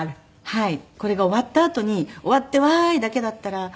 はい。